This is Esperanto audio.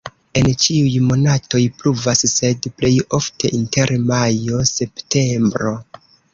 En ĉiuj monatoj pluvas, sed plej ofte inter majo-septembro.